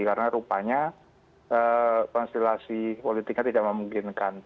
karena rupanya konstelasi politiknya tidak memungkinkan